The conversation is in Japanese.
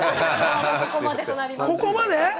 ここまで？